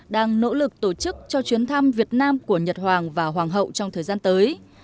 đang nỗ lực tổ chức cho chuyến thăm việt nam của nhật hoàng và hoàng hậu trong thời gian tới